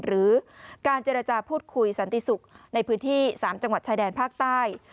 หรือการเจรจาพูดคุยสันติศุกร์ในพื้นที่๓จังหวัดชายแดนภาคใต้